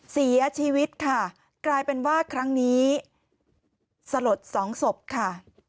เสียชีวิตค่ะกลายเป็นว่าครั้งนี้สลดสองศพค่ะ